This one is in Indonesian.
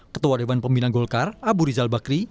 ketua dewan pembina golkar abu rizal bakri